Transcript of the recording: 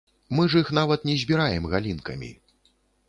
Мы ж іх нават не збіраем галінкамі.